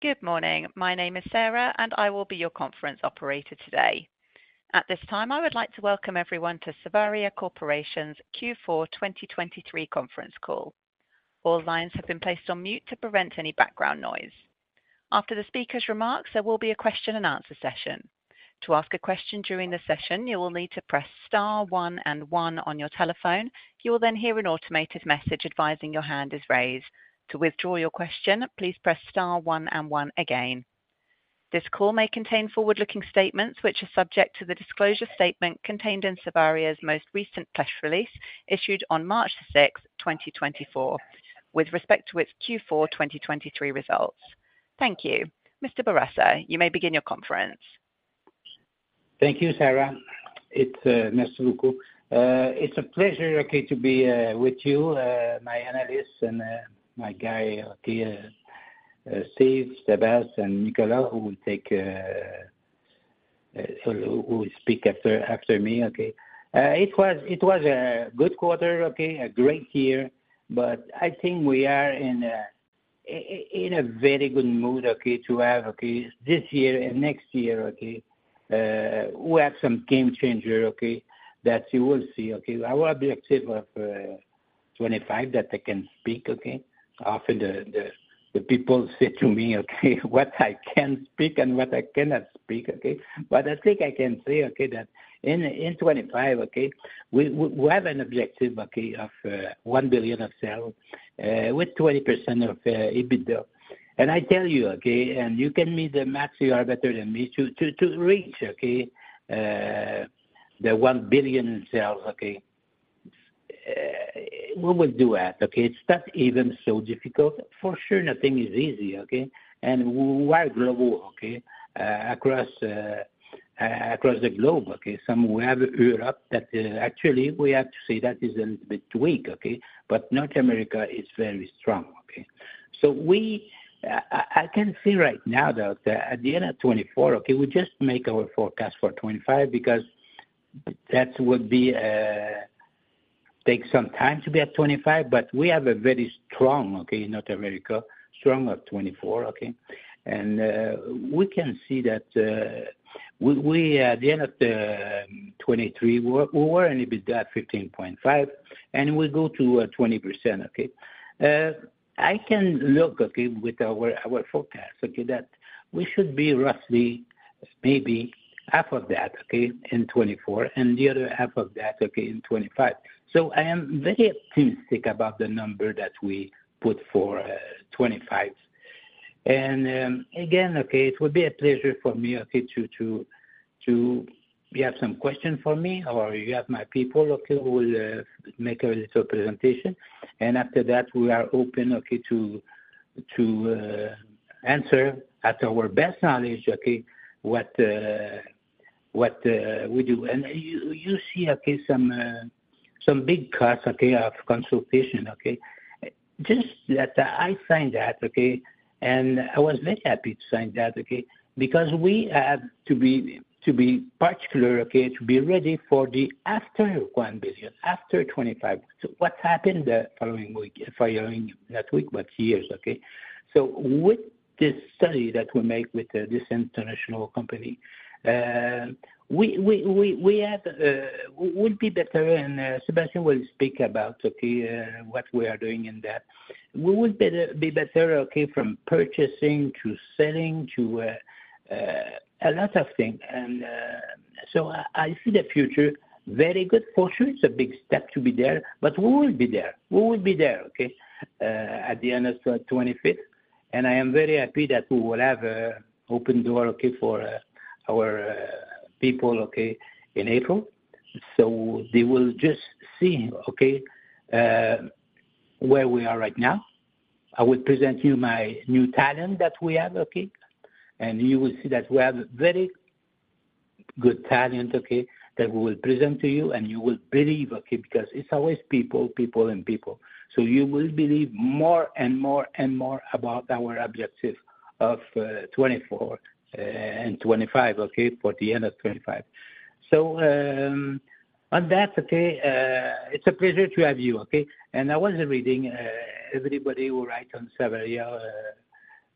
Good morning. My name is Sarah, and I will be your conference operator today. At this time, I would like to welcome everyone to Savaria Corporation's Q4 2023 conference call. All lines have been placed on mute to prevent any background noise. After the speaker's remarks, there will be a question-and-answer session. To ask a question during the session, you will need to press star one and one on your telephone. You will then hear an automated message advising your hand is raised. To withdraw your question, please press star one and one again. This call may contain forward-looking statements which are subject to the disclosure statement contained in Savaria's most recent press release issued on March 6, 2024, with respect to its Q4 2023 results. Thank you. Mr. Bourassa, you may begin your conference. Thank you, Sarah. It's Marcel. It's a pleasure, okay, to be with you, my analysts and my guys, okay, Steve, Sébastien, and Nicolas, who will speak after me, okay? It was a good quarter, okay, a great year, but I think we are in a very good mood, okay, to have this year and next year, okay. We have some game changer, okay, that you will see, okay. Our objective of 2025, that I can speak, okay. Often the people say to me, okay, what I can speak and what I cannot speak, okay? But I think I can say, okay, that in 2025, okay, we have an objective, okay, of 1 billion of sales, with 20% EBITDA. And I tell you, okay, and you can meet the max you are better than me to reach, okay, the 1 billion sales, okay? What we'll do at, okay, it's not even so difficult. For sure, nothing is easy, okay? We are global, okay, across the globe, okay? So we have Europe, that actually we have to say that is a little bit weak, okay, but North America is very strong, okay? So I can see right now that, at the end of 2024, okay, we just make our forecast for 2025 because that would take some time to be at 2025, but we have a very strong, okay, North America, strong of 2024, okay? And we can see that, we at the end of the 2023, we're in EBITDA at 15.5%, and we go to 20%, okay? I can look, okay, with our forecast, okay, that we should be roughly, maybe, half of that, okay, in 2024, and the other half of that, okay, in 2025. So I am very optimistic about the number that we put for 2025. And, again, okay, it would be a pleasure for me, okay, to you have some questions for me, or you have my people, okay, who will make a little presentation. And after that, we are open, okay, to answer at our best knowledge, okay, what we do. And you see, okay, some big costs, okay, of consultation, okay? Just that, I signed that, okay, and I was very happy to sign that, okay, because we have to be particular, okay, to be ready for the after 1 billion, after 2025. So what happened the following week following that week, but years, okay? So with this study that we make with this international company, we'll be better, and Sébastien will speak about, okay, what we are doing in that. We'll be better, okay, from purchasing to selling to a lot of things. So I see the future very good. For sure, it's a big step to be there, but we will be there. We will be there, okay, at the end of 2025. And I am very happy that we will have an open door, okay, for our people, okay, in April. So they will just see, okay, where we are right now. I will present you my new talent that we have, okay, and you will see that we have very good talent, okay, that we will present to you, and you will believe, okay, because it's always people, people, and people. So you will believe more and more and more about our objective of 2024 and 2025, okay, for the end of 2025. So, on that, okay, it's a pleasure to have you, okay? And I was reading everybody who writes on Savaria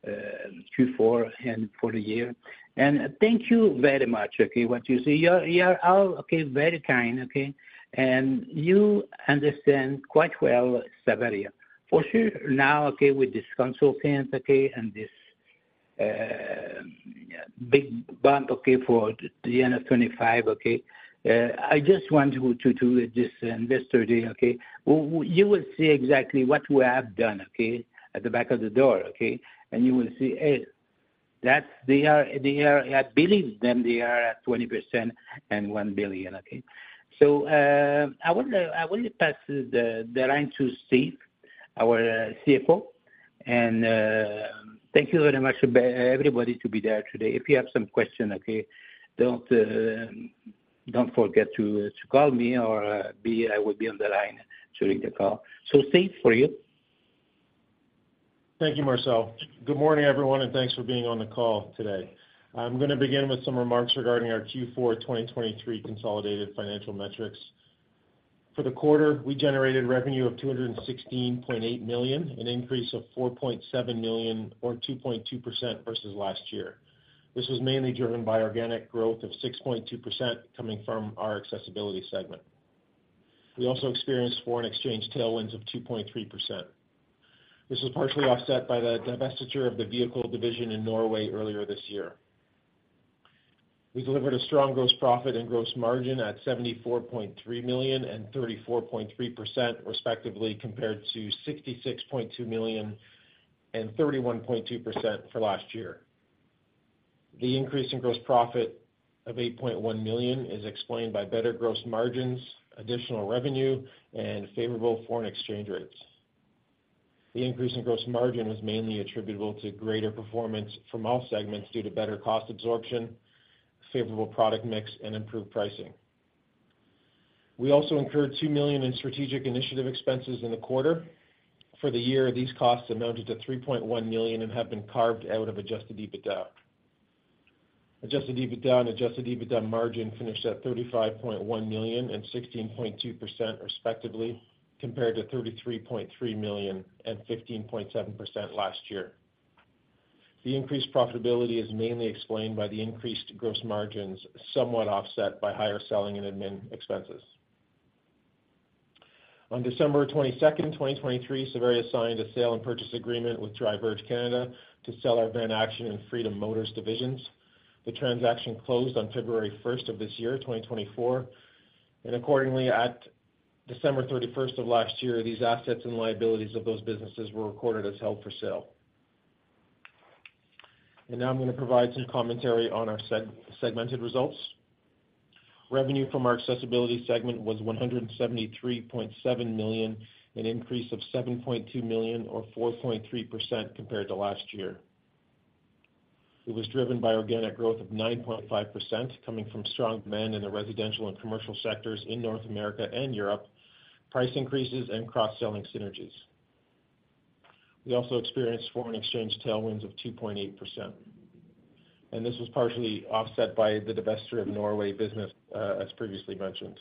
Q4 and for the year. And thank you very much, okay, what you say. You're all, okay, very kind, okay, and you understand quite well Savaria. For sure, now, okay, with this consultant, okay, and this big bump, okay, for the end of 2025, okay. I just want to just Investor Day, okay? You will see exactly what we have done, okay, at the back of the deck, okay? And you will see, hey, that's, they are, I believe, they are at 20% and 1 billion, okay? So, I will pass the line to Steve, our CFO. And thank you very much, everybody, for being there today. If you have some question, okay, don't forget to call me or I will be on the line during the call. So, Steve, for you. Thank you, Marcel. Good morning, everyone, and thanks for being on the call today. I'm going to begin with some remarks regarding our Q4 2023 consolidated financial metrics. For the quarter, we generated revenue of 216.8 million, an increase of 4.7 million or 2.2% versus last year. This was mainly driven by organic growth of 6.2% coming from our accessibility segment. We also experienced foreign exchange tailwinds of 2.3%. This was partially offset by the divestiture of the vehicle division in Norway earlier this year. We delivered a strong gross profit and gross margin at 74.3 million and 34.3%, respectively, compared to 66.2 million and 31.2% for last year. The increase in gross profit of 8.1 million is explained by better gross margins, additional revenue, and favorable foreign exchange rates. The increase in gross margin was mainly attributable to greater performance from all segments due to better cost absorption, favorable product mix, and improved pricing. We also incurred 2 million in strategic initiative expenses in the quarter. For the year, these costs amounted to 3.1 million and have been carved out of adjusted EBITDA. Adjusted EBITDA and adjusted EBITDA margin finished at 35.1 million and 16.2%, respectively, compared to 33.3 million and 15.7% last year. The increased profitability is mainly explained by the increased gross margins, somewhat offset by higher selling and admin expenses. On December 22, 2023, Savaria signed a sale and purchase agreement with Driverge Canada to sell our Van-Action and Freedom Motors divisions. The transaction closed on February 1st of this year, 2024. Accordingly, at December 31st of last year, these assets and liabilities of those businesses were recorded as held for sale. Now I'm going to provide some commentary on our segmented results. Revenue from our Accessibility segment was 173.7 million, an increase of 7.2 million or 4.3% compared to last year. It was driven by organic growth of 9.5% coming from strong demand in the residential and commercial sectors in North America and Europe, price increases, and cross-selling synergies. We also experienced foreign exchange tailwinds of 2.8%. And this was partially offset by the divestiture of Norway business, as previously mentioned.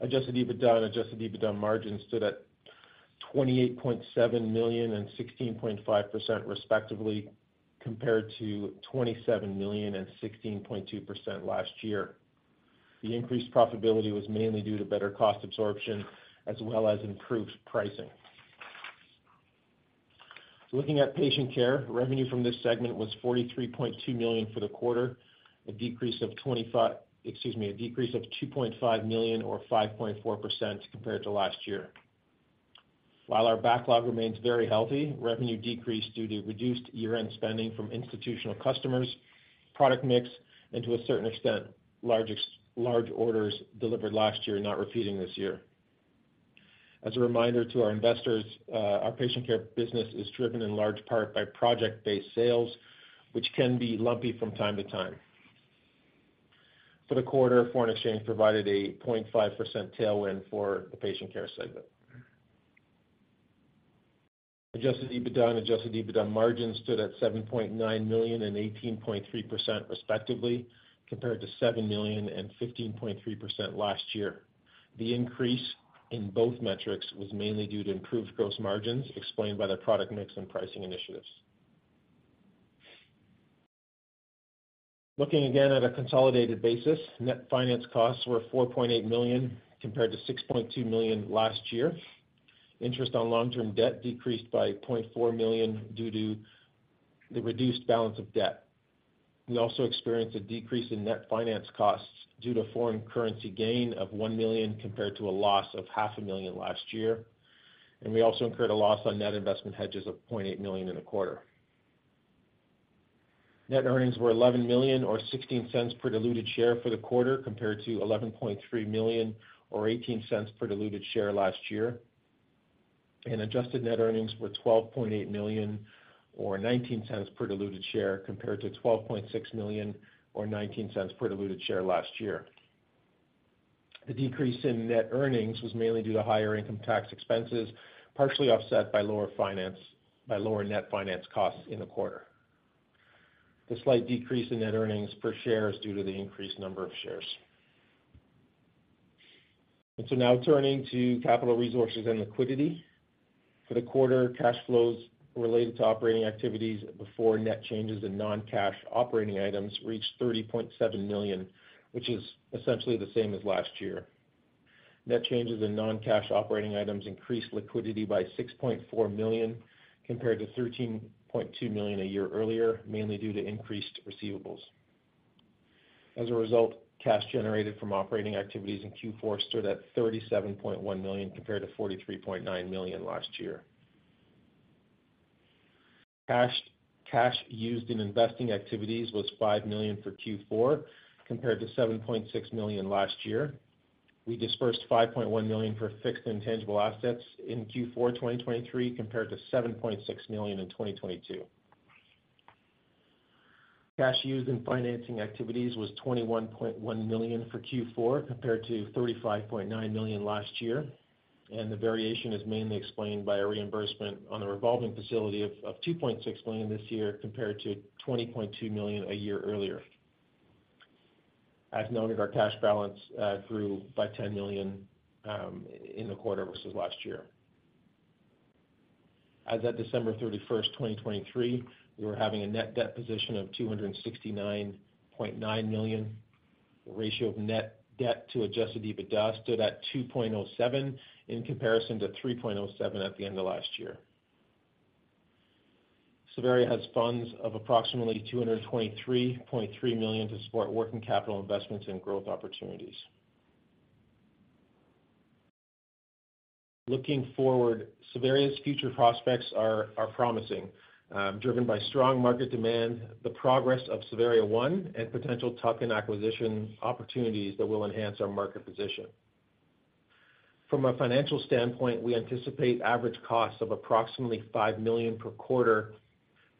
Adjusted EBITDA and adjusted EBITDA margin stood at 28.7 million and 16.5%, respectively, compared to 27 million and 16.2% last year. The increased profitability was mainly due to better cost absorption as well as improved pricing. Looking at Patient Care, revenue from this segment was 43.2 million for the quarter, a decrease of 2.5 million or 5.4% compared to last year. While our backlog remains very healthy, revenue decreased due to reduced year-end spending from institutional customers, product mix, and to a certain extent, large extra-large orders delivered last year, not repeating this year. As a reminder to our investors, our Patient Care business is driven in large part by project-based sales, which can be lumpy from time to time. For the quarter, foreign exchange provided a 0.5% tailwind for the Patient Care segment. Adjusted EBITDA and adjusted EBITDA margin stood at 7.9 million and 18.3%, respectively, compared to 7 million and 15.3% last year. The increase in both metrics was mainly due to improved gross margins, explained by the product mix and pricing initiatives. Looking again at a consolidated basis, net finance costs were 4.8 million compared to 6.2 million last year. Interest on long-term debt decreased by 0.4 million due to the reduced balance of debt. We also experienced a decrease in net finance costs due to foreign currency gain of 1 million compared to a loss of 0.5 million last year. We also incurred a loss on net investment hedges of 0.8 million in the quarter. Net earnings were 11 million or 0.16 per diluted share for the quarter compared to 11.3 million or 0.18 per diluted share last year. Adjusted net earnings were 12.8 million or 0.19 per diluted share compared to 12.6 million or 0.19 per diluted share last year. The decrease in net earnings was mainly due to higher income tax expenses, partially offset by lower finance by lower net finance costs in the quarter. The slight decrease in net earnings per share is due to the increased number of shares. Now turning to capital resources and liquidity. For the quarter, cash flows related to operating activities before net changes in non-cash operating items reached 30.7 million, which is essentially the same as last year. Net changes in non-cash operating items increased liquidity by 6.4 million compared to 13.2 million a year earlier, mainly due to increased receivables. As a result, cash generated from operating activities in Q4 stood at 37.1 million compared to 43.9 million last year. Cash used in investing activities was 5 million for Q4 compared to 7.6 million last year. We dispersed 5.1 million for fixed and tangible assets in Q4 2023 compared to 7.6 million in 2022. Cash used in financing activities was 21.1 million for Q4 compared to 35.9 million last year. The variation is mainly explained by a reimbursement on the revolving facility of 2.6 million this year compared to 20.2 million a year earlier. As noted, our cash balance grew by 10 million in the quarter versus last year. As of December 31, 2023, we were having a net debt position of 269.9 million. The ratio of net debt to Adjusted EBITDA stood at 2.07 in comparison to 3.07 at the end of last year. Savaria has funds of approximately 223.3 million to support working capital investments and growth opportunities. Looking forward, Savaria's future prospects are promising, driven by strong market demand, the progress of Savaria One, and potential tuck-in acquisition opportunities that will enhance our market position. From a financial standpoint, we anticipate average costs of approximately 5 million per quarter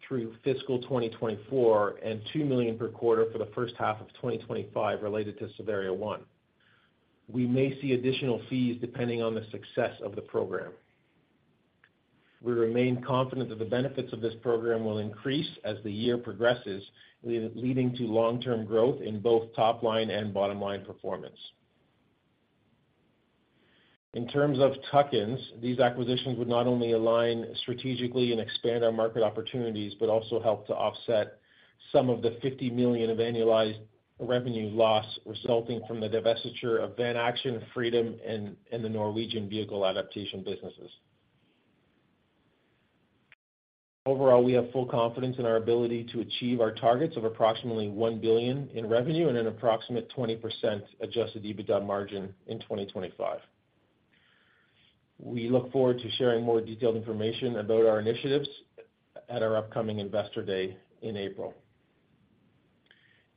through fiscal 2024 and 2 million per quarter for the first half of 2025 related to Savaria One. We may see additional fees depending on the success of the program. We remain confident that the benefits of this program will increase as the year progresses, leading to long-term growth in both top-line and bottom-line performance. In terms of tuck-ins, these acquisitions would not only align strategically and expand our market opportunities but also help to offset some of the 50 million of annualized revenue loss resulting from the divestiture of Van-Action, Freedom, and the Norwegian vehicle adaptation businesses. Overall, we have full confidence in our ability to achieve our targets of approximately 1 billion in revenue and an approximate 20% adjusted EBITDA margin in 2025. We look forward to sharing more detailed information about our initiatives at our upcoming Investor Day in April.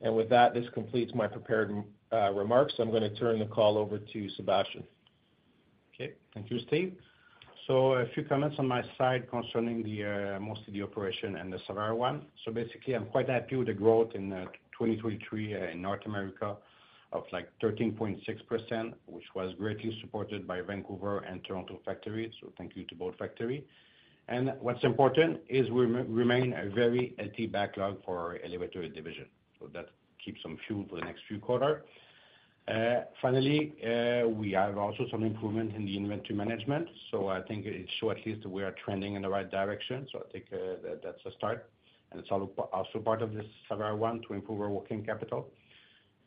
With that, this completes my prepared remarks. I'm going to turn the call over to Sébastien. Okay. Thank you, Steve. So a few comments on my side concerning the, mostly the operation and the Savaria One. So basically, I'm quite happy with the growth in 2023 in North America of, like, 13.6%, which was greatly supported by Vancouver and Toronto factories. So thank you to both factories. And what's important is we remain a very healthy backlog for our elevator division. So that keeps some fuel for the next few quarters. Finally, we have also some improvement in the inventory management. So I think it shows at least we are trending in the right direction. So I think that that's a start. And it's also part of this Savaria One to improve our working capital.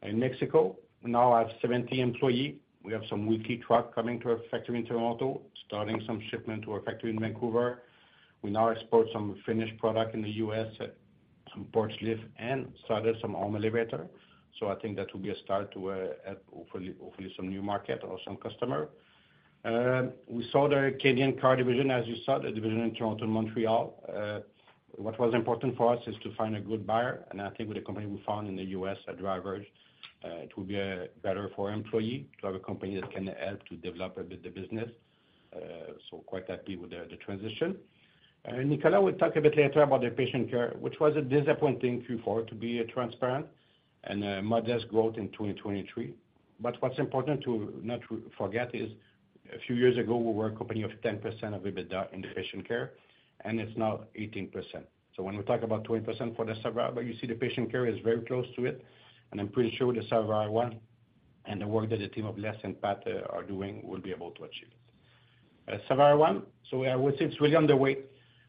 In Mexico, we now have 70 employees. We have some weekly truck coming to our factory in Toronto, starting some shipment to our factory in Vancouver. We now export some finished product in the U.S., some porch lift, and started some home elevator. So I think that will be a start to, hopefully, some new market or some customer. We sold our Canadian car division, as you saw, the division in Toronto, Montreal. What was important for us is to find a good buyer. And I think with the company we found in the U.S., at Driverge, it will be better for employees to have a company that can help to develop a bit the business. So quite happy with the transition. Nicolas, we'll talk a bit later about the patient care, which was a disappointing Q4, to be transparent, and a modest growth in 2023. But what's important to not forget is, a few years ago, we were a company of 10% of EBITDA in patient care, and it's now 18%. So when we talk about 20% for the Savaria, you see the patient care is very close to it. And I'm pretty sure with the Savaria One and the work that the team of Les and Pat are doing, we'll be able to achieve. Savaria One, so I would say it's really underway.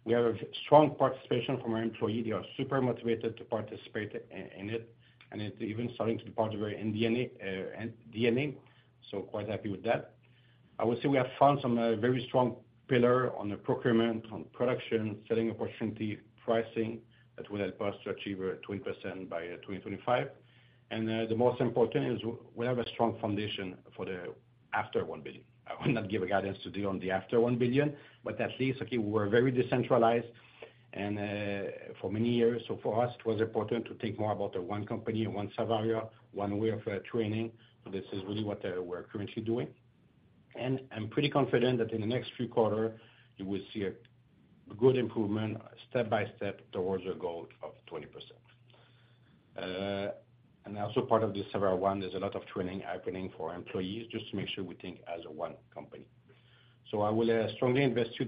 We have strong participation from our employees. They are super motivated to participate in it. And it's even starting to be part of our DNA. So quite happy with that. I would say we have found some very strong pillars on the procurement, on production, selling opportunity, pricing that will help us to achieve 20% by 2025. And the most important is we have a strong foundation for the after 1 billion. I will not give a guidance today on the after 1 billion, but at least, okay, we were very decentralized and for many years. So for us, it was important to think more about the one company, one Savaria, one way of training. So this is really what we're currently doing. And I'm pretty confident that in the next few quarters, you will see a good improvement step by step towards your goal of 20%. And also, part of this Savaria One, there's a lot of training happening for employees just to make sure we think as one company. So I will strongly invite you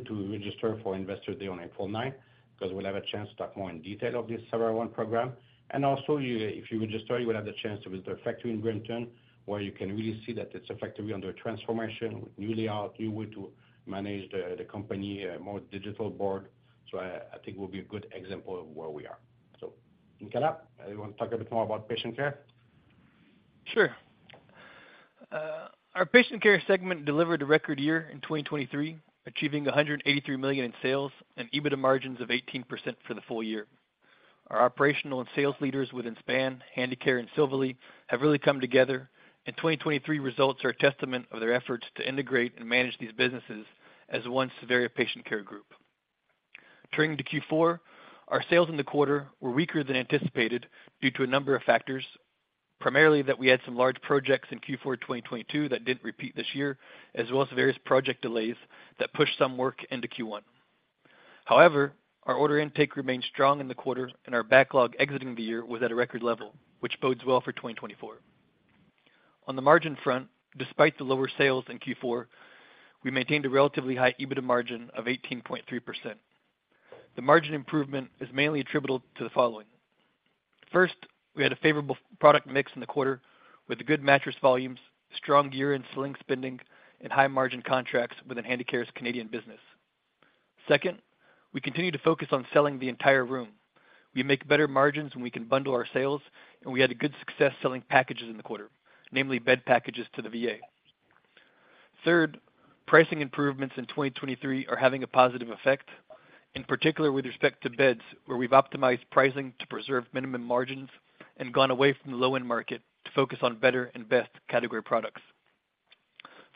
to register for Investor Day on April 9th because we'll have a chance to talk more in detail of this Savaria One program. And also, if you register, you will have the chance to visit our factory in Brampton, where you can really see that it's a factory under transformation with new layout, new way to manage the company, more digital board. So I think it will be a good example of where we are. So, Nicolas, do you want to talk a bit more about Patient Care? Sure. Our Patient Care segment delivered a record year in 2023, achieving 183 million in sales and EBITDA margins of 18% for the full year. Our operational and sales leaders within Span, Handicare, and Silvalea have really come together. 2023 results are a testament of their efforts to integrate and manage these businesses as one Savaria Patient Care Group. Turning to Q4, our sales in the quarter were weaker than anticipated due to a number of factors, primarily that we had some large projects in Q4 2022 that didn't repeat this year, as well as various project delays that pushed some work into Q1. However, our order intake remained strong in the quarter, and our backlog exiting the year was at a record level, which bodes well for 2024. On the margin front, despite the lower sales in Q4, we maintained a relatively high EBITDA margin of 18.3%. The margin improvement is mainly attributable to the following. First, we had a favorable product mix in the quarter with good mattress volumes, strong year-end sling spending, and high-margin contracts within Handicare's Canadian business. Second, we continue to focus on selling the entire room. We make better margins when we can bundle our sales, and we had a good success selling packages in the quarter, namely bed packages to the VA. Third, pricing improvements in 2023 are having a positive effect, in particular with respect to beds, where we've optimized pricing to preserve minimum margins and gone away from the low-end market to focus on better and best category products.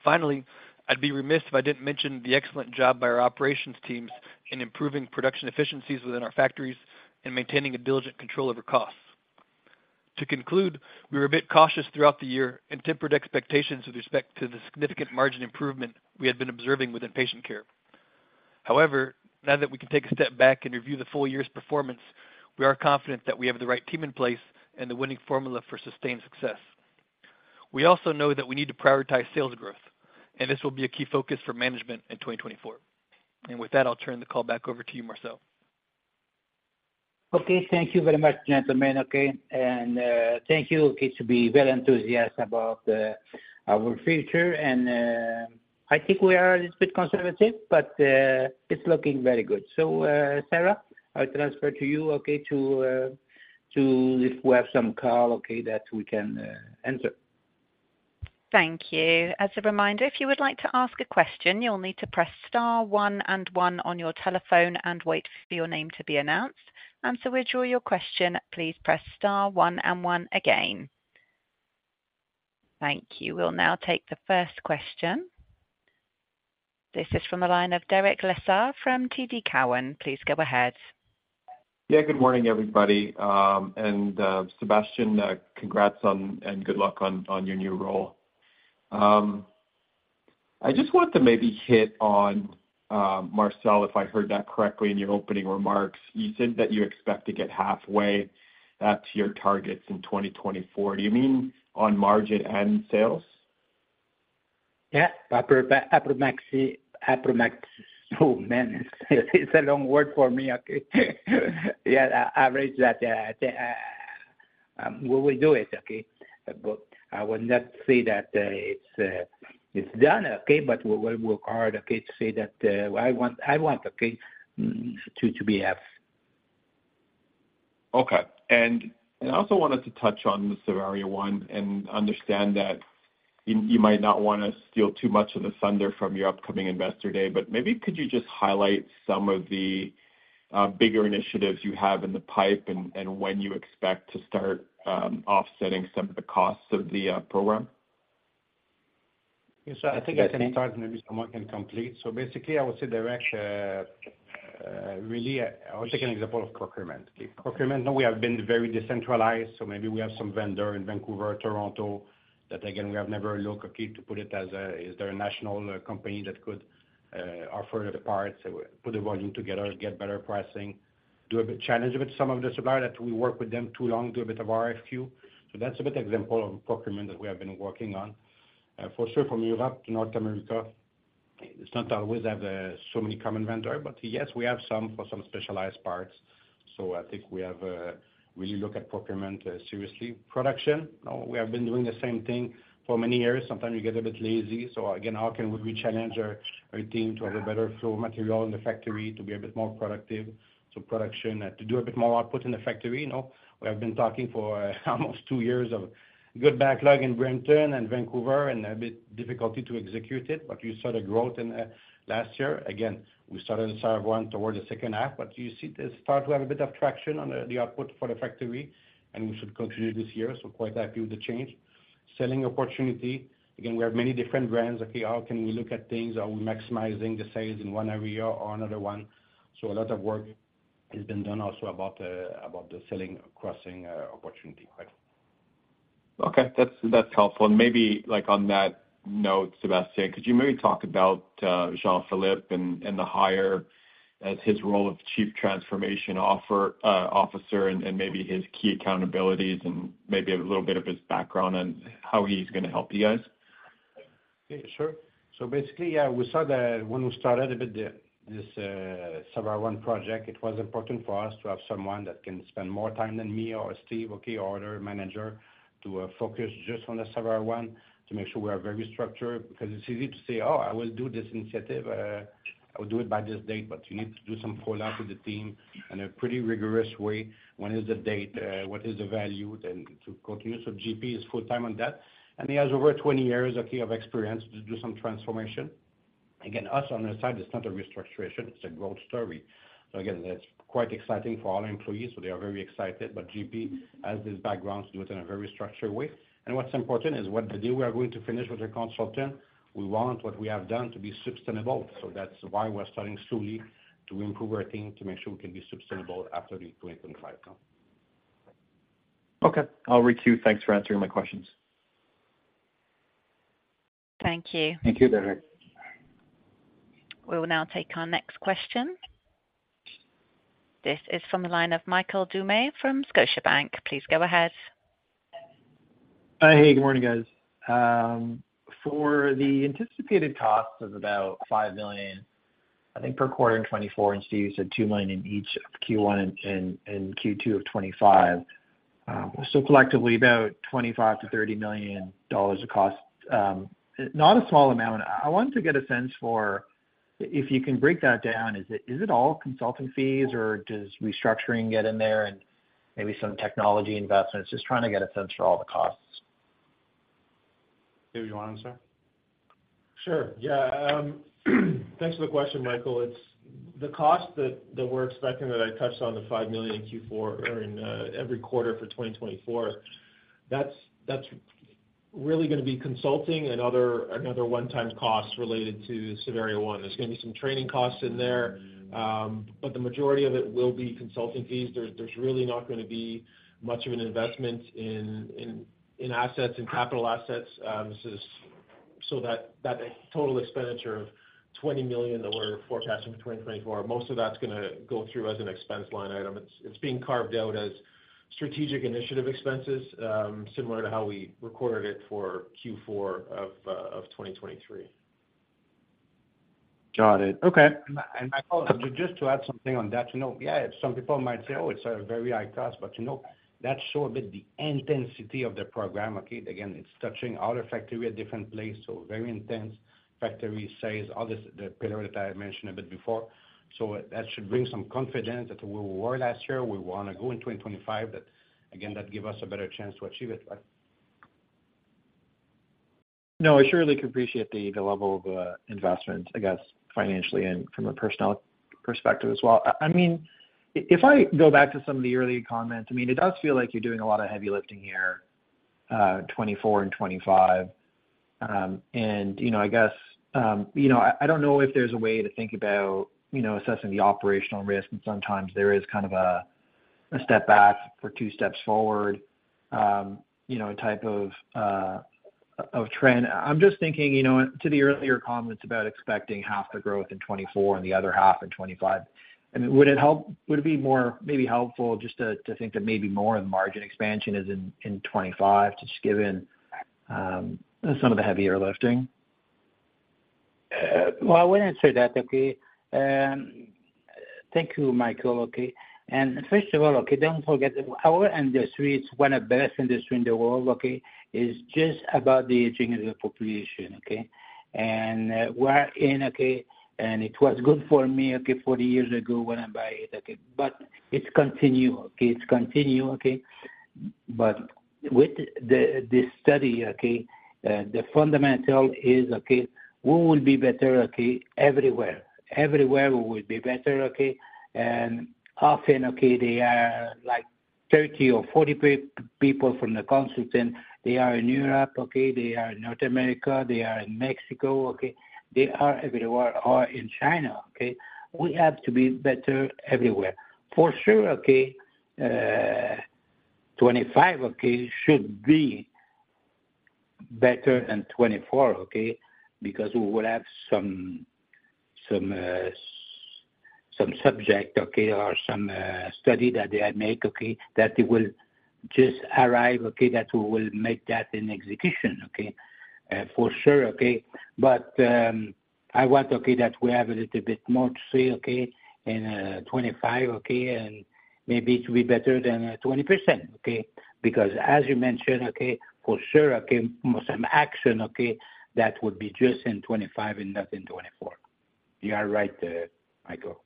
Finally, I'd be remiss if I didn't mention the excellent job by our operations teams in improving production efficiencies within our factories and maintaining a diligent control over costs. To conclude, we were a bit cautious throughout the year and tempered expectations with respect to the significant margin improvement we had been observing within patient care. However, now that we can take a step back and review the full year's performance, we are confident that we have the right team in place and the winning formula for sustained success. We also know that we need to prioritize sales growth, and this will be a key focus for management in 2024. With that, I'll turn the call back over to you, Marcel. Thank you very much, gentlemen. And thank you to be very enthusiastic about our future. I think we are a little bit conservative, but it's looking very good. So, Sarah, I'll transfer to you to if we have some call that we can answer. Thank you. As a reminder, if you would like to ask a question, you'll need to press star one and one on your telephone and wait for your name to be announced. And so we'll draw your question. Please press star one and one again. Thank you. We'll now take the first question. This is from the line of Derek Lessard from TD Cowen. Please go ahead. Yeah. Good morning, everybody. And, Sébastien, congrats on and good luck on your new role. I just wanted to maybe hit on, Marcel, if I heard that correctly in your opening remarks. You said that you expect to get halfway at your targets in 2024. Do you mean on margin and sales? Yeah. Approximately, approximately, oh, man. It's, it's a long word for me, okay? Yeah. I'll raise that. Yeah. I think we will do it, okay? But I will not say that it's done, okay, but we will work hard, okay, to say that I want, I want, okay, to be half. Okay. And, and I also wanted to touch on the Savaria One and understand that you, you might not want to steal too much of the thunder from your upcoming Investor Day. But maybe could you just highlight some of the bigger initiatives you have in the pipe and, and when you expect to start offsetting some of the costs of the program? Yes, sir. I think I can start, and maybe someone can complete. So basically, I would say direct, really, I would take an example of procurement, okay? Procurement, no, we have been very decentralized. So maybe we have some vendor in Vancouver, Toronto that, again, we have never looked, okay, to put it as a is there a national, company that could, offer the parts, put the volume together, get better pricing, do a bit challenge a bit some of the supplier that we work with them too long, do a bit of RFQ. So that's a bit example of procurement that we have been working on. For sure, from Europe to North America, it's not always have, so many common vendors. But yes, we have some for some specialized parts. So I think we have, really look at procurement, seriously. Production, no, we have been doing the same thing for many years. Sometimes we get a bit lazy. So again, how can we rechallenge our team to have a better flow of material in the factory, to be a bit more productive? So production, to do a bit more output in the factory, you know? We have been talking for almost two years of good backlog in Brampton and Vancouver and a bit difficulty to execute it. But we saw the growth in last year. Again, we started the Savaria One toward the second half. But you see it start to have a bit of traction on the output for the factory. And we should continue this year. So quite happy with the change. Selling opportunity, again, we have many different brands, okay? How can we look at things? Are we maximizing the sales in one area or another one? So a lot of work has been done also about the cross-selling opportunity, right? Okay. That's helpful. And maybe, like, on that note, Sébastien, could you maybe talk about Jean-Philippe and the hire as his role of Chief Transformation Officer and maybe his key accountabilities and maybe a little bit of his background on how he's going to help you guys? Yeah. Sure. So basically, yeah, we saw that when we started the Savaria One project, it was important for us to have someone that can spend more time than me or Steve. Okay, to focus just on the Savaria One, to make sure we are very structured because it's easy to say, "Oh, I will do this initiative. I will do it by this date." But you need to do some follow-up with the team in a pretty rigorous way. When is the date? What is the value? Then to continue. So GP is full-time on that. And he has over 20 years, okay, of experience to do some transformation. Again, us on our side, it's not a restructuring. It's a growth story. So again, that's quite exciting for all employees. So they are very excited. But GP has this background to do it in a very structured way. What's important is what the day we are going to finish with the consultant, we want what we have done to be sustainable. That's why we're starting slowly to improve our team to make sure we can be sustainable after 2025, you know? Okay. I'll reach you. Thanks for answering my questions. Thank you. Thank you, Derek. We will now take our next question. This is from the line of Michael Doumet from Scotiabank. Please go ahead. Hi. Hey. Good morning, guys. For the anticipated costs of about 5 million, I think per quarter in 2024, and Steve, you said 2 million in each of Q1 and Q2 of 2025, so collectively, about 25 million-30 million dollars of costs, not a small amount. I wanted to get a sense for if you can break that down, is it all consulting fees, or does restructuring get in there and maybe some technology investments? Just trying to get a sense for all the costs. Hey. You want to answer? Sure. Yeah. Thanks for the question, Michael. It's the cost that, that we're expecting that I touched on, the 5 million in Q4 or in every quarter for 2024, that's, that's really going to be consulting and other another one-time cost related to Savaria One. There's going to be some training costs in there, but the majority of it will be consulting fees. There's, there's really not going to be much of an investment in, in, in assets, in capital assets. This is so that, that total expenditure of 20 million that we're forecasting for 2024, most of that's going to go through as an expense line item. It's, it's being carved out as strategic initiative expenses, similar to how we recorded it for Q4 of 2023. Got it. Okay. And Michael, just to add something on that, you know, yeah, some people might say, "Oh, it's a very high cost." But, you know, that shows a bit the intensity of the program, okay? Again, it's touching other factory at different places, so very intense factory sales, all this the pillar that I mentioned a bit before. So that should bring some confidence that where we were last year, we want to go in 2025, that, again, that give us a better chance to achieve it, right? No, I surely could appreciate the level of investment, I guess, financially and from a personnel perspective as well. I mean, if I go back to some of the earlier comments, I mean, it does feel like you're doing a lot of heavy lifting here, 2024 and 2025. And, you know, I guess, you know, I don't know if there's a way to think about, you know, assessing the operational risk. And sometimes there is kind of a step back for two steps forward, you know, type of trend. I'm just thinking, you know, to the earlier comments about expecting half the growth in 2024 and the other half in 2025, I mean, would it be more maybe helpful just to think that maybe more of the margin expansion is in 2025, just given some of the heavier lifting? Well, I would answer that, okay? Thank you, Michael, okay? And first of all, okay, don't forget, our industry, it's one of the best industries in the world, okay, is just about the aging of the population, okay? And, we're in, okay. And it was good for me, okay, 40 years ago when I buy it, okay? But it's continue, okay? It's continue, okay? But with the, the study, okay, the fundamental is, okay, who will be better, okay, everywhere? Everywhere, who will be better, okay? And often, okay, they are like 30 or 40 people from the consultant. They are in Europe, okay? They are in North America. They are in Mexico, okay? They are everywhere or in China, okay? We have to be better everywhere. For sure, okay, 2025, okay, should be better than 2024, okay, because we will have some subject, okay, or some study that they make, okay, that it will just arrive, okay, that we will make that in execution, okay? For sure, okay? But I want, okay, that we have a little bit more to see, okay, in 2025, okay, and maybe to be better than 20%, okay? Because as you mentioned, okay, for sure, okay, some action, okay, that would be just in 2025 and not in 2024. You are right there, Michael.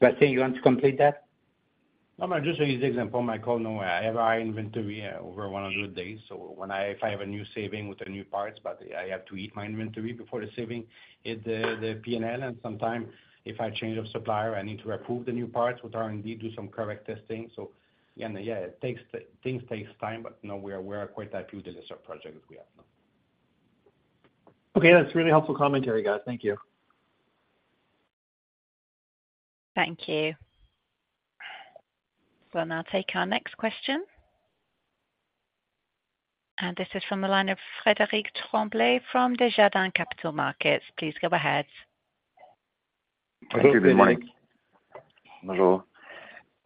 Sébastien, you want to complete that? No, I'm just going to use the example, Michael. No, I have high inventory, over 100 days. So when if I have a new saving with the new parts, but I have to eat my inventory before the saving at the P&L. And sometimes if I change of supplier, I need to approve the new parts with R&D, do some correct testing. So again, yeah, it takes time. But no, we are quite happy with the list of projects we have, you know? Okay. That's a really helpful commentary, guys. Thank you. Thank you. So now take our next question. And this is from the line of Frédéric Tremblay from Desjardins Capital Markets. Please go ahead. Thank you. Thank you, Mike. Bonjour.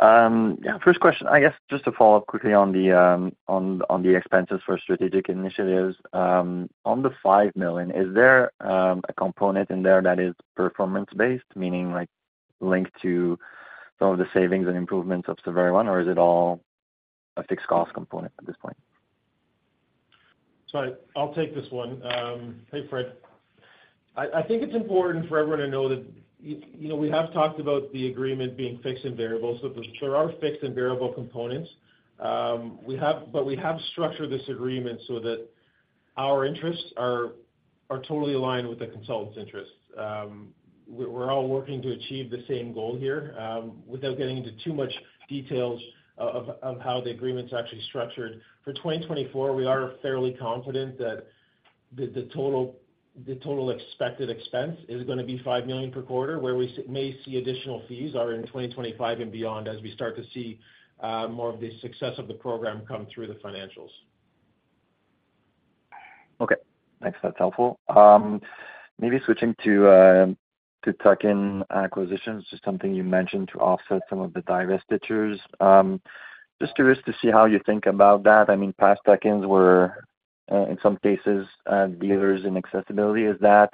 Yeah, first question, I guess, just to follow up quickly on the expenses for strategic initiatives. On the 5 million, is there a component in there that is performance-based, meaning, like, linked to some of the savings and improvements of Savaria One, or is it all a fixed-cost component at this point? Sorry. I'll take this one. Hey, Fred. I, I think it's important for everyone to know that you, you know, we have talked about the agreement being fixed and variable. So there are fixed and variable components. We have but we have structured this agreement so that our interests are, are totally aligned with the consultants' interests. We're, we're all working to achieve the same goal here, without getting into too much details of, of, of how the agreement's actually structured. For 2024, we are fairly confident that the, the total the total expected expense is going to be 5 million per quarter, where we may see additional fees are in 2025 and beyond as we start to see, more of the success of the program come through the financials. Okay. Thanks. That's helpful. Maybe switching to tuck-in acquisitions, just something you mentioned to offset some of the divestitures. Just curious to see how you think about that. I mean, past tuck-ins were, in some cases, dealers in accessibility. Is that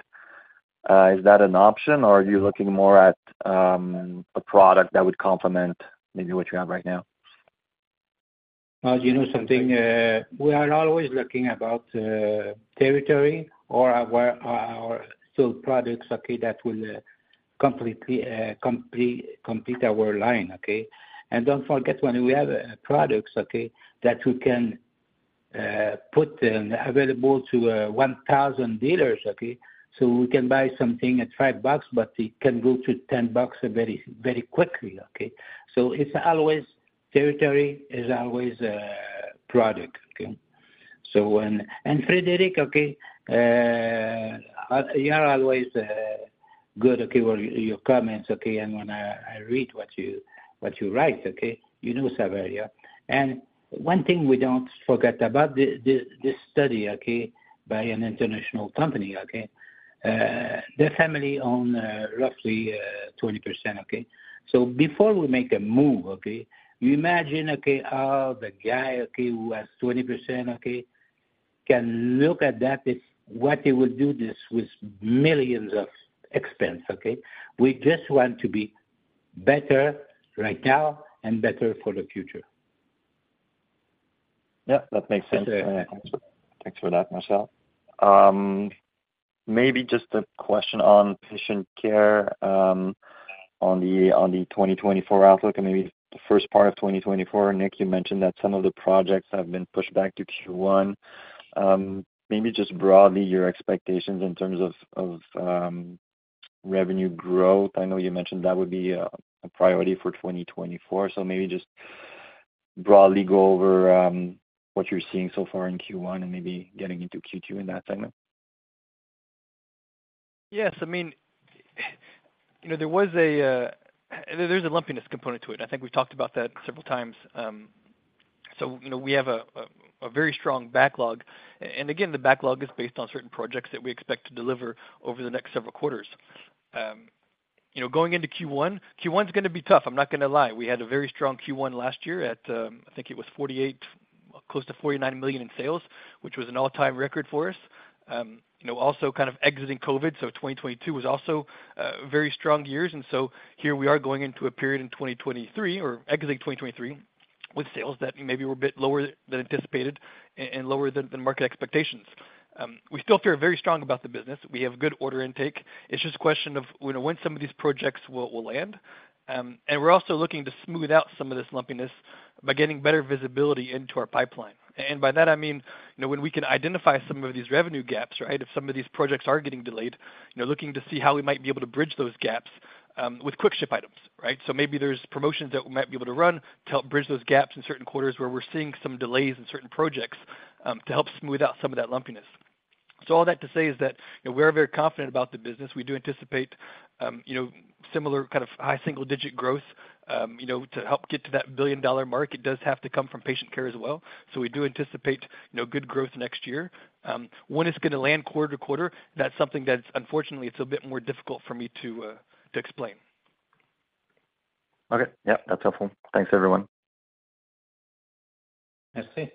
an option, or are you looking more at a product that would complement maybe what you have right now? You know, something, we are always looking about territory or our sole products, okay, that will completely complete our line, okay? And don't forget, when we have products, okay, that we can put them available to 1,000 dealers, okay, so we can buy something at $5 bucks, but it can go to $10 bucks very, very quickly, okay? So it's always territory is always product, okay? So when and Frédéric, okay, you are always good, okay, with your comments, okay? And when I read what you write, okay, you know Savaria. And one thing we don't forget about this study, okay, by an international company, okay, their family own roughly 20%, okay? Before we make a move, okay, you imagine, okay, how the guy, okay, who has 20%, okay, can look at that, if what he will do this with millions of expense, okay? We just want to be better right now and better for the future. Yeah. That makes sense. Thanks for that, Marcel. Maybe just a question on patient care, on the 2024 outlook and maybe the first part of 2024. Nick, you mentioned that some of the projects have been pushed back to Q1. Maybe just broadly, your expectations in terms of revenue growth. I know you mentioned that would be a priority for 2024. So maybe just broadly go over what you're seeing so far in Q1 and maybe getting into Q2 in that segment. Yes. I mean, you know, there was a, there's a lumpiness component to it. I think we've talked about that several times. You know, we have a, a, a very strong backlog. And again, the backlog is based on certain projects that we expect to deliver over the next several quarters. You know, going into Q1, Q1's going to be tough. I'm not going to lie. We had a very strong Q1 last year at, I think it was 48 million close to 49 million in sales, which was an all-time record for us. You know, also kind of exiting COVID. 2022 was also very strong years. And so here we are going into a period in 2023 or exiting 2023 with sales that maybe were a bit lower than anticipated and lower than market expectations. We still feel very strong about the business. We have good order intake. It's just a question of, you know, when some of these projects will land. And we're also looking to smooth out some of this lumpiness by getting better visibility into our pipeline. And by that, I mean, you know, when we can identify some of these revenue gaps, right, if some of these projects are getting delayed, you know, looking to see how we might be able to bridge those gaps, with quick ship items, right? So maybe there's promotions that we might be able to run to help bridge those gaps in certain quarters where we're seeing some delays in certain projects, to help smooth out some of that lumpiness. So all that to say is that, you know, we are very confident about the business. We do anticipate, you know, similar kind of high single-digit growth, you know, to help get to that billion-dollar mark. It does have to come from Patient Care as well. So we do anticipate, you know, good growth next year. When it's going to land quarter to quarter, that's something that's unfortunately, it's a bit more difficult for me to explain. Okay. Yeah. That's helpful. Thanks, everyone. Merci.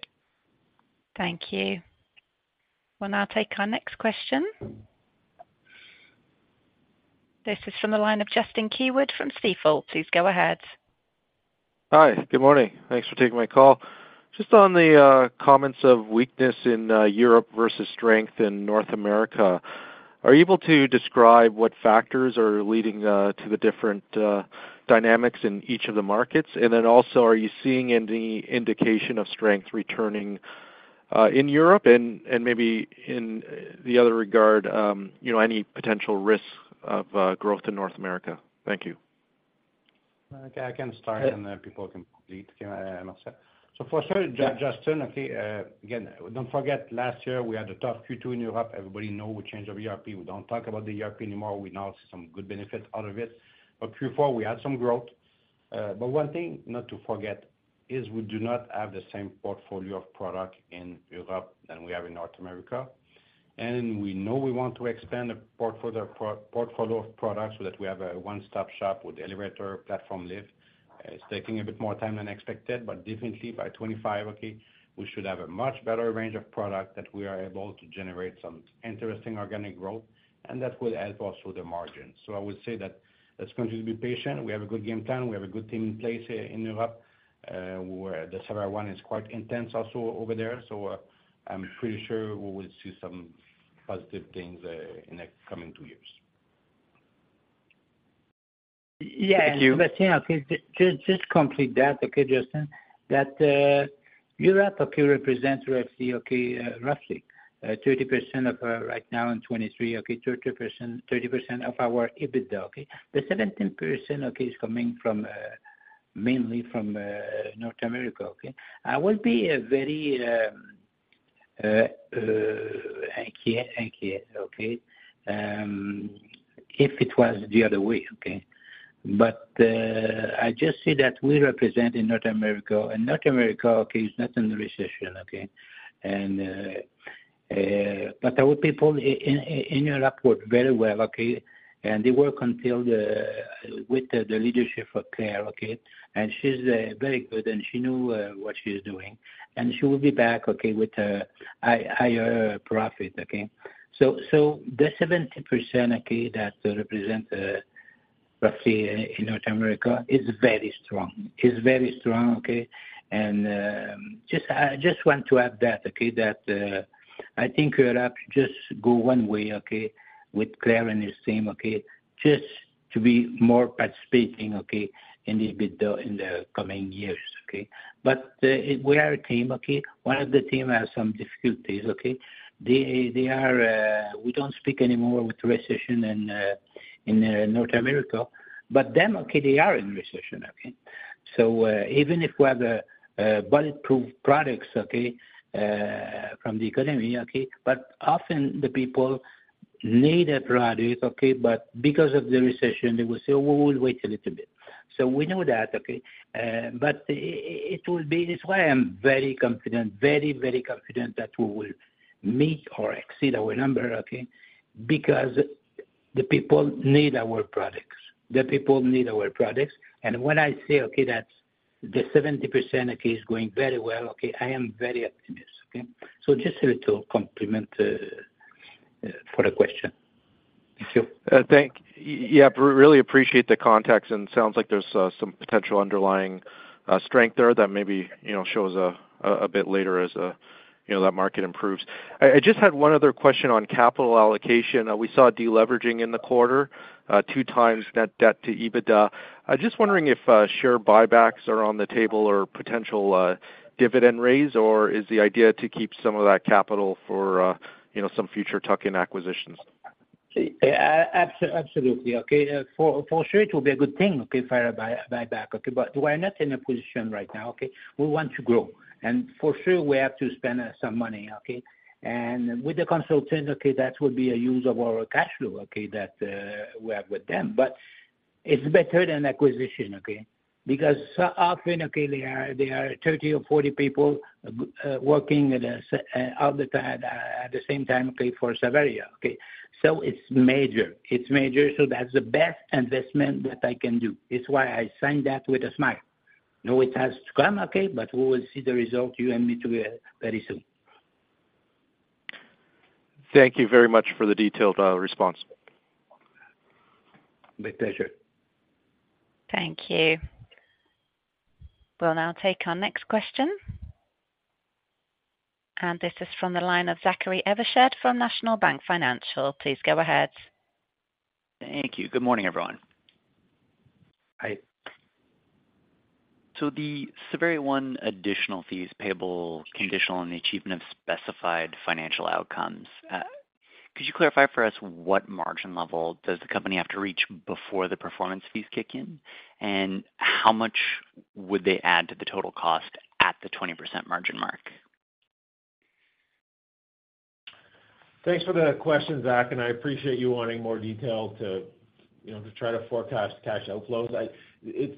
Thank you. We'll now take our next question. This is from the line of Justin Keywood from Stifel. Please go ahead. Hi. Good morning. Thanks for taking my call. Just on the comments of weakness in Europe versus strength in North America, are you able to describe what factors are leading to the different dynamics in each of the markets? And then also, are you seeing any indication of strength returning in Europe? And, and maybe in the other regard, you know, any potential risks of growth in North America? Thank you. Okay. I can start, and then people can complete, okay, Marcel. So for sure, Justin, okay, again, don't forget, last year, we had a tough Q2 in Europe. Everybody know we changed our ERP. We don't talk about the ERP anymore. We now see some good benefits out of it. But Q4, we had some growth. One thing not to forget is we do not have the same portfolio of product in Europe than we have in North America. And we know we want to expand the portfolio of products so that we have a one-stop shop with elevator, platform lift. It's taking a bit more time than expected. But definitely, by 2025, okay, we should have a much better range of product that we are able to generate some interesting organic growth. And that will help also the margins. I would say that let's continue to be patient. We have a good game plan. We have a good team in place, in Europe, where the Savaria One is quite intense also over there. I'm pretty sure we will see some positive things, in the coming two years. Yes. Thank you. Justin, just complete that. Justin, that Europe represents roughly 30% of, right now in 2023, 30% of our EBITDA. The 17% is coming from, mainly from, North America. I would be very uneasy if it was the other way. But I just see that we represent in North America. North America is not in the recession. Our people in Europe work very well. And they work with the leadership of Clare. And she's very good. And she knew what she's doing. And she will be back with higher profit. So the 70% that represents, roughly, in North America is very strong. It's very strong. Just, I just want to add that, okay, that I think Europe just go one way, okay, with Clare and his team, okay, just to be more participating, okay, in the EBITDA in the coming years, okay? But we are a team, okay? One of the team has some difficulties, okay? They, they are. We don't speak anymore with recession in North America. But them, okay, they are in recession, okay? So even if we have a bulletproof products, okay, from the economy, okay? But often the people need a product, okay? But because of the recession, they will say, "Oh, we'll wait a little bit." So we know that, okay? But it will be. That's why I'm very confident, very, very confident that we will meet or exceed our number, okay, because the people need our products. The people need our products. When I say, okay, that the 70%, okay, is going very well, okay, I am very optimist, okay? Just a little compliment for the question. Thank you. Thanks. Yeah, really appreciate the context. And it sounds like there's some potential underlying strength there that maybe, you know, shows a bit later as, you know, that market improves. I just had one other question on capital allocation. We saw deleveraging in the quarter, 2 times net debt to EBITDA. I'm just wondering if share buybacks are on the table or potential dividend raise, or is the idea to keep some of that capital for, you know, some future tuck-in acquisitions? See, absolutely, okay? For sure, it will be a good thing, okay, for a buyback, okay? But we are not in a position right now, okay? We want to grow. For sure, we have to spend some money, okay? And with the consultant, okay, that will be a use of our cash flow, okay, that we have with them. But it's better than acquisition, okay? Because so often, okay, they are 30 or 40 people, working at the Savaria all the time at the same time, okay, for Savaria, okay? So it's major. It's major. So that's the best investment that I can do. It's why I signed that with a smile. No, it has to come, okay? But we will see the result, you and me, together, very soon. Thank you very much for the detailed response. My pleasure. Thank you. We'll now take our next question. This is from the line of Zachary Evershed from National Bank Financial. Please go ahead. Thank you. Good morning, everyone. Hi. The Savaria One additional fees payable conditional on the achievement of specified financial outcomes, could you clarify for us what margin level does the company have to reach before the performance fees kick in? And how much would they add to the total cost at the 20% margin mark? Thanks for the question, Zach. I appreciate you wanting more detail to, you know, to try to forecast cash outflows. It's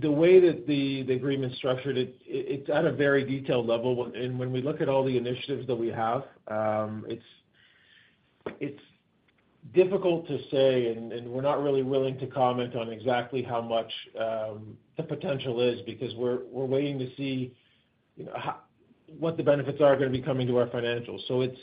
the way that the, the agreement's structured, it's, it's at a very detailed level. When we look at all the initiatives that we have, it's, it's difficult to say. We're not really willing to comment on exactly how much, the potential is because we're, we're waiting to see, you know, how what the benefits are going to be coming to our financials. So it's,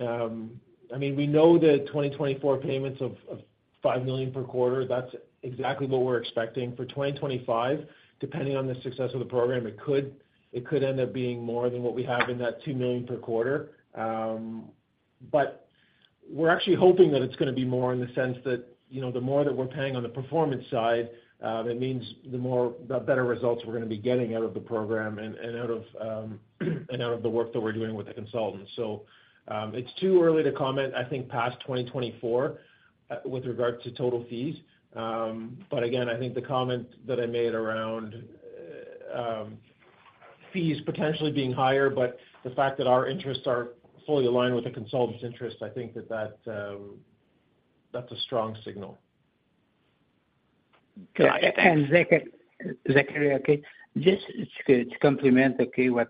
I mean, we know the 2024 payments of, of 5 million per quarter. That's exactly what we're expecting. For 2025, depending on the success of the program, it could it could end up being more than what we have in that 2 million per quarter. But we're actually hoping that it's going to be more in the sense that, you know, the more that we're paying on the performance side, it means the more the better results we're going to be getting out of the program and out of the work that we're doing with the consultants. So, it's too early to comment, I think, past 2024, with regard to total fees. But again, I think the comment that I made around fees potentially being higher, but the fact that our interests are fully aligned with the consultant's interests, I think that's a strong signal. Good. And Zachary, okay, just to complement, okay, what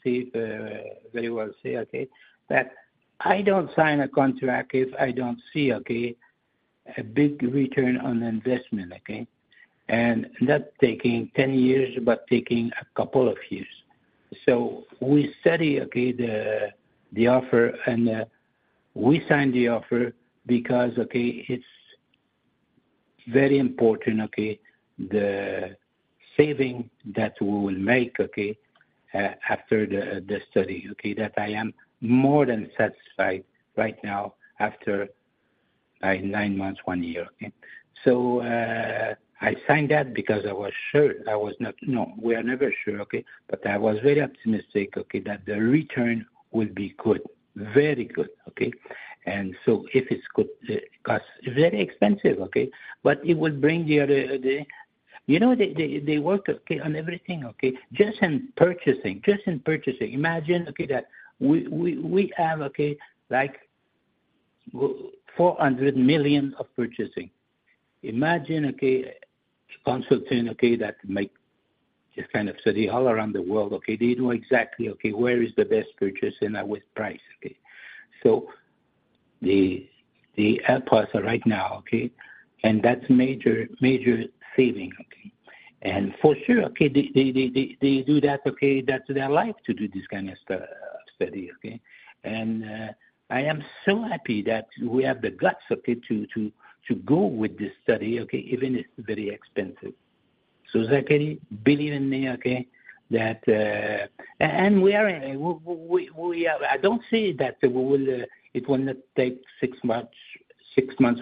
Steve very well said, okay, that I don't sign a contract if I don't see, okay, a big return on investment, okay? And not taking 10 years, but taking a couple of years. So we study, okay, the offer. And we sign the offer because, okay, it's very important, okay, the saving that we will make, okay, after the study, okay, that I am more than satisfied right now after, like, nine months, one year, okay? So I signed that because I was sure I was not, no, we are never sure, okay? But I was very optimistic, okay, that the return would be good, very good, okay? And so if it's good, because it's very expensive, okay? But it will bring the other, you know, they work, okay, on everything, okay? Just in purchasing. Just in purchasing. Imagine, okay, that we have, okay, like, 400 million of purchasing. Imagine, okay, consultant, okay, that make just kind of study all around the world, okay? They know exactly, okay, where is the best purchase and at what price, okay? So the airports right now, okay? And that's major saving, okay? And for sure, okay, they do that, okay? That's their life to do this kind of stuff, study, okay? And I am so happy that we have the guts, okay, to go with this study, okay, even if it's very expensive. So, Zachary, believe in me, okay, that and we are, I don't see that we will, it will not take six months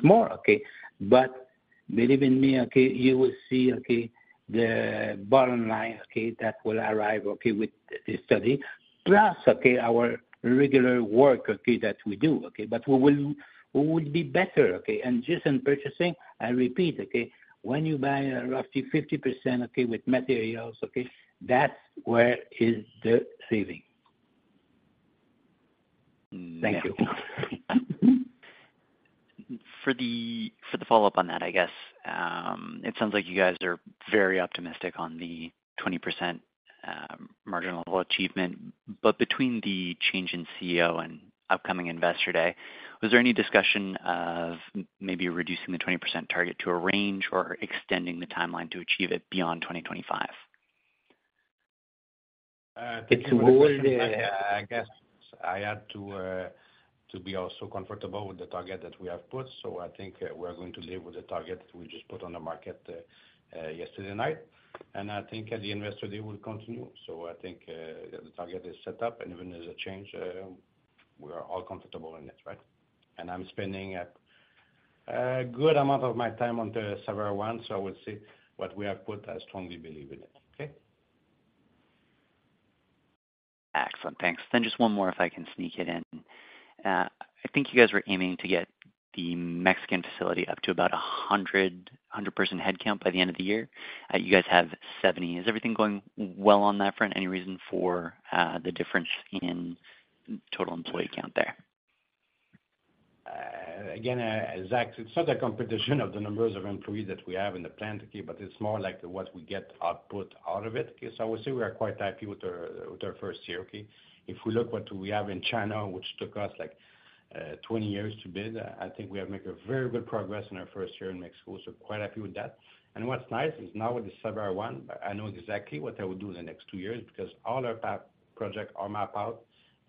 more, okay? But believe in me. You will see the bottom line that will arrive with this study, plus our regular work that we do. But we will be better. And just in purchasing, I repeat, when you buy roughly 50% with materials, that's where is the saving. Thank you. For the follow-up on that, I guess, it sounds like you guys are very optimistic on the 20% margin level achievement. But between the change in CEO and upcoming Investor Day, was there any discussion of maybe reducing the 20% target to a range or extending the timeline to achieve it beyond 2025? To be very optimistic, I guess I had to, to be also comfortable with the target that we have put. So I think, we're going to live with the target that we just put on the market, yesterday night. And I think, the Investor Day will continue. So I think, the target is set up. And even as a change, we are all comfortable in it, right? And I'm spending a good amount of my time on the Savaria One. So I would say what we have put, I strongly believe in it, okay? Excellent. Thanks. Then just one more if I can sneak it in. I think you guys were aiming to get the Mexican facility up to about 100-person headcount by the end of the year. You guys have 70. Is everything going well on that front? Any reason for the difference in total employee count there? Again, Zach, it's not a competition of the numbers of employees that we have in the plant, okay? But it's more like what we get output out of it, okay? So I would say we are quite happy with our first year, okay? If we look what we have in China, which took us, like, 20 years to build, I think we have made very good progress in our first year in Mexico. So quite happy with that. And what's nice is now with the Savaria One, I know exactly what I will do in the next two years because all our capex projects are mapped out.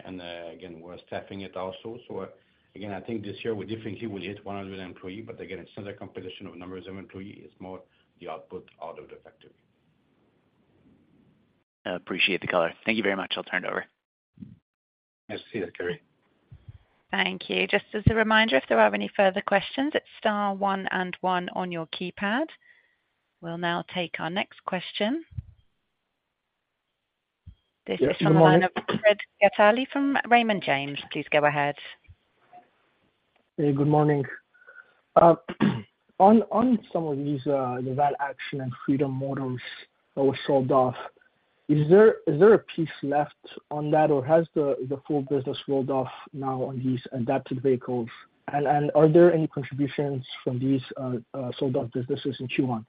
And, again, we're staffing it also. So, again, I think this year, we definitely will hit 100 employees. But again, it's not a competition of numbers of employees. It's more the output out of the factory. I appreciate the color. Thank you very much. I'll turn it over. Merci, Zachary. Thank you. Just as a reminder, if there are any further questions, it's star 1 and 1 on your keypad. We'll now take our next question. This is from the line of Rahul Sarugaser from Raymond James. Please go ahead. Hey, good morning. On some of these, the Van-Action and Freedom Motors that were sold off, is there a piece left on that? Or has the full business rolled off now on these adapted vehicles? And are there any contributions from these sold-off businesses in Q1?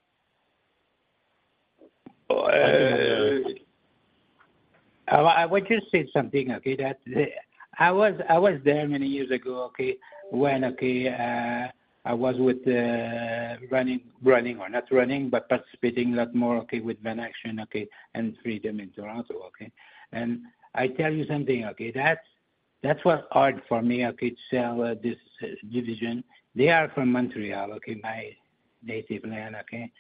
I want to say something, okay, that I was there many years ago, okay, when, okay, I was with running or not running, but participating a lot more, okay, with Van-Action, okay, and Freedom in Toronto, okay? I tell you something, okay? That's what's hard for me, okay, to sell this division. They are from Montreal, okay, my native land, okay?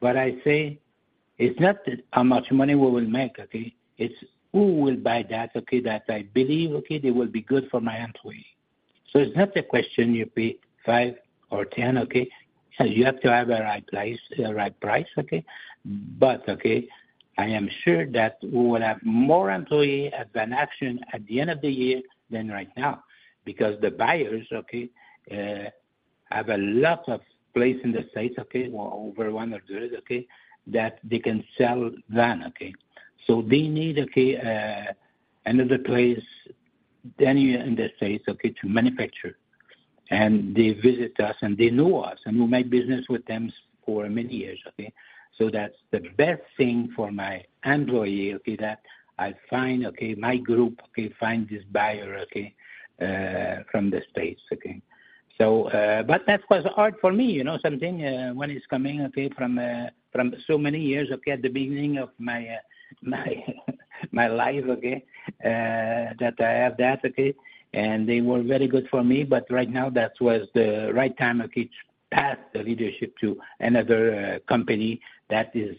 What I say, it's not how much money we will make, okay? It's who will buy that, okay, that I believe, okay, they will be good for my employees. So it's not a question, you pay 5 or 10, okay? You have to have a right place the right price, okay? But, okay, I am sure that we will have more employees at Van-Action at the end of the year than right now because the buyers, okay, have a lot of place in the States, okay, or over 100, okay, that they can sell Van-Action, okay? So they need, okay, another place, down in, in the States, okay, to manufacture. And they visit us. And they know us. And we've made business with them for many years, okay? So that's the best thing for my employees, okay, that I find, okay, my group, okay, find this buyer, okay, from the States, okay? So, but that was hard for me, you know something? When it's coming, okay, from, from so many years, okay, at the beginning of my, my, my life, okay, that I have that, okay? And they were very good for me. But right now, that was the right time, okay, to pass the leadership to another company that is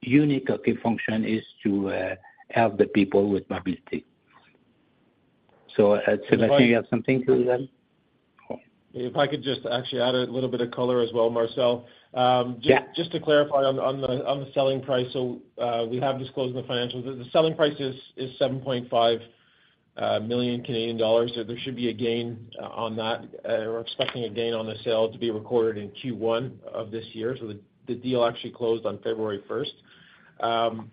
unique, okay, function is to help the people with mobility. So, Sébastien, you have something to add? If I could just actually add a little bit of color as well, Marcel. Yeah. Just to clarify on the selling price. So, we have disclosed in the financials. The selling price is 7.5 million Canadian dollars. There should be a gain on that. We're expecting a gain on the sale to be recorded in Q1 of this year. So the deal actually closed on February 1st.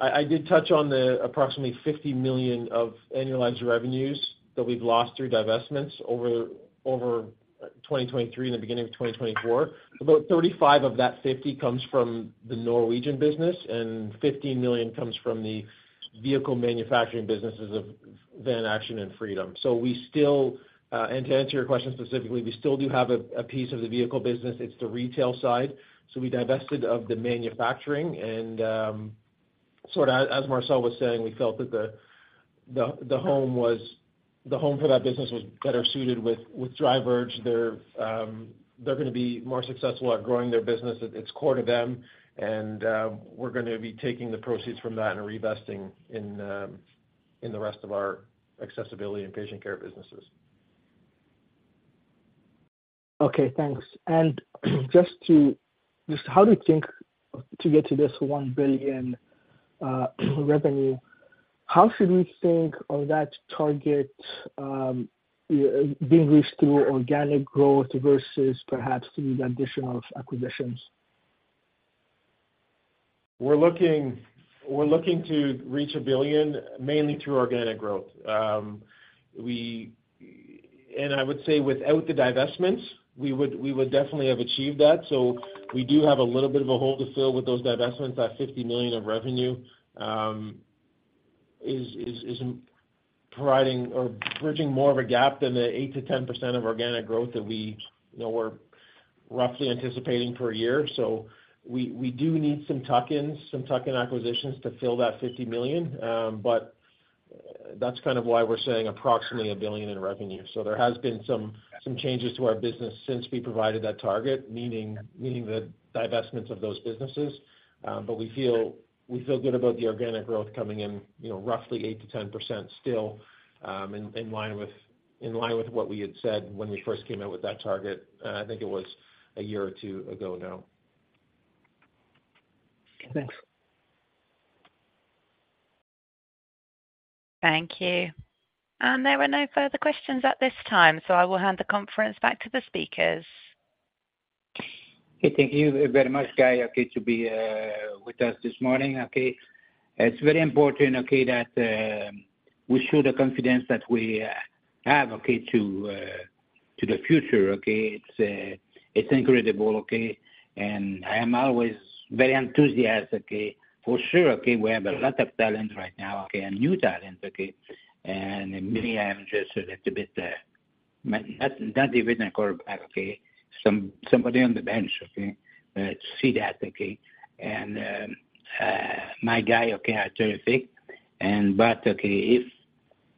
I did touch on the approximately 50 million of annualized revenues that we've lost through divestments over 2023 and the beginning of 2024. About 35 million of that 50 million comes from the Norwegian business. And 15 million comes from the vehicle manufacturing businesses of Van-Action and Freedom. So we still, and to answer your question specifically, we still do have a piece of the vehicle business. It's the retail side. So we divested of the manufacturing. Sort of as Marcel was saying, we felt that the home for that business was better suited with Driverge. They're going to be more successful at growing their business. It's core to them. We're going to be taking the proceeds from that and reinvesting in the rest of our accessibility and patient care businesses. Okay. Thanks. And just how do you think to get to this 1 billion revenue, how should we think of that target being reached through organic growth versus perhaps through the addition of acquisitions? We're looking to reach 1 billion mainly through organic growth. We and I would say without the divestments, we would definitely have achieved that. So we do have a little bit of a hole to fill with those divestments. That 50 million of revenue is providing or bridging more of a gap than the 8%-10% of organic growth that we, you know, were roughly anticipating per year. So we do need some tuck-ins, some tuck-in acquisitions to fill that 50 million. But that's kind of why we're saying approximately 1 billion in revenue. So there has been some changes to our business since we provided that target, meaning the divestments of those businesses. We feel good about the organic growth coming in, you know, roughly 8%-10% still, in line with what we had said when we first came out with that target. I think it was a year or two ago now. Okay. Thanks. Thank you. There were no further questions at this time. I will hand the conference back to the speakers. Hey, thank you very much, guys. Okay, to be with us this morning, okay? It's very important, okay, that we show the confidence that we have, okay, to the future, okay? It's incredible, okay? And I am always very enthusiastic, okay? For sure, okay, we have a lot of talent right now, okay, and new talent, okay? And me, I am just a little bit not even a corporate guy, okay? Somebody on the bench, okay, to see that, okay? And my guy, okay, I terrified. And but, okay, if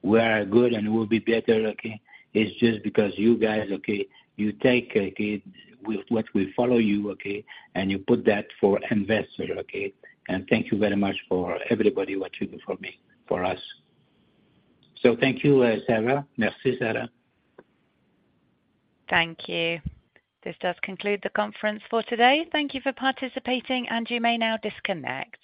we are good and we'll be better, okay, it's just because you guys, okay, you take, okay, with what we follow you, okay, and you put that for investors, okay? And thank you very much for everybody what you do for me for us. So thank you, Sarah. Merci, Sarah. Thank you. This does conclude the conference for today. Thank you for participating. You may now disconnect.